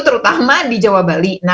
terutama di jawa bali